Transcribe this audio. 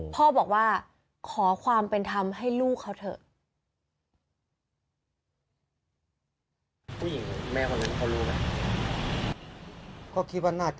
พ่อบอกว่าขอความเป็นธรรมให้ลูกเขาเถอะ